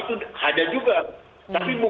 walaupun di dalam persidangan itu juga disampaikan